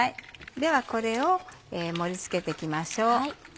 ではこれを盛り付けて行きましょう。